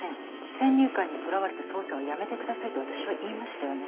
先入観にとらわれた捜査はやめてくださいと私は言いましたよね？